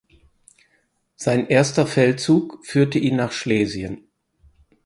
Sein erster Feldzug führte in nach Schlesien.